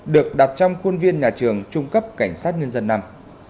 được đặt trong khuôn viên nhà trường trung cấp cảnh sát nhân dân năm